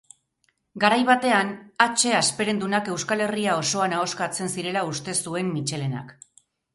Garai batean hatxe hasperendunak Euskal Herria osoan ahoskatzen zirela uste zuen Mitxelenak.